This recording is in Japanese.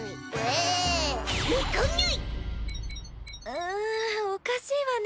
うんおかしいわね。